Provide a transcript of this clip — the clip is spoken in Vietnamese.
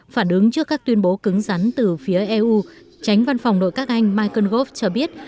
phản ứng trước các tuyên bố cứng rắn từ phía eu tránh văn phòng nội các anh michael gove cho biết